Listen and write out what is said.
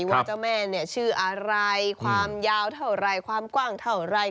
ว่าเจ้าแม่เนี่ยชื่ออะไรความยาวเท่าไหร่ความกว้างเท่าไร